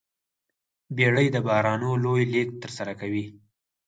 بیړۍ د بارونو لوی لېږد ترسره کوي.